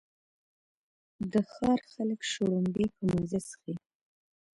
د ښار خلک شړومبې په مزه څښي.